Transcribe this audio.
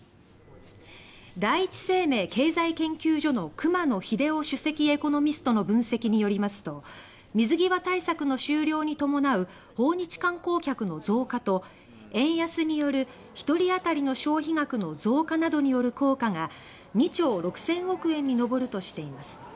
第一生命経済研究所の熊野英生首席エコノミストの分析によりますと水際対策の終了に伴う訪日観光客の増加と円安による１人当たりの消費額の増加などによる効果が２兆６千億円に上るとしています。